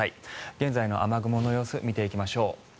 現在の雨雲の様子を見ていきましょう。